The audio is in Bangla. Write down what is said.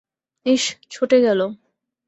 ইশ, ছুটে গেল!